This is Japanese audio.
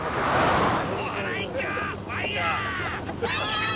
ファイヤー！